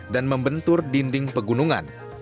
dan membentur dinding pegunungan